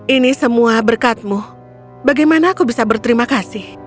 ini semua berkatmu bagaimana aku bisa berterima kasih